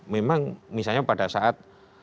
memang misalnya pada saat